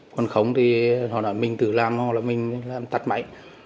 còn không thì họ nói mình tự làm hoặc là mình làm tắt máy